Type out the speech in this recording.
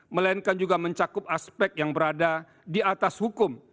melainkan juga mencakup aspek yang berada di atas hukum